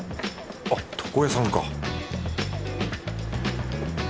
あっ床屋さんか